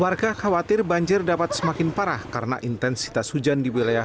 warga khawatir banjir dapat semakin parah karena intensitas hujan di wilayah